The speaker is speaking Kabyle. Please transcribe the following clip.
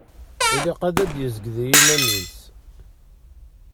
Ilaq ad d-yezg d yiman-is.